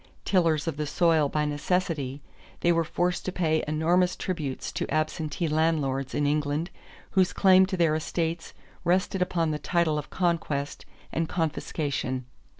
Tillers of the soil by necessity, they were forced to pay enormous tributes to absentee landlords in England whose claim to their estates rested upon the title of conquest and confiscation.